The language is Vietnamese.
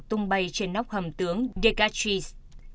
tung bay trên nóc hầm tướng dekachis